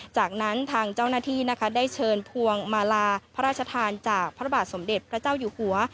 จากนั้นทางเจ้าหน้าที่นะคะได้เชิญพวงมาลาพระราชทานจากพระบาทสมเด็จพระเจ้าอยู่หัว